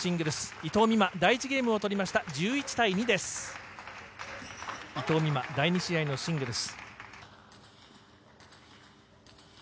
伊藤美誠、第２試合のシングルス。